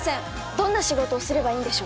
どんな仕事をすればいいんでしょう？